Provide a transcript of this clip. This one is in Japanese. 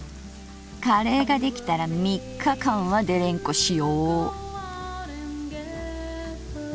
カレーが出来たら３日間はデレンコしよう。